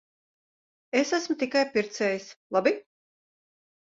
Es esmu tikai pircējs. Labi.